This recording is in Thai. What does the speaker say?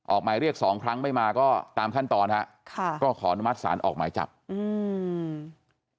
หมายเรียกสองครั้งไม่มาก็ตามขั้นตอนฮะค่ะก็ขออนุมัติศาลออกหมายจับอืม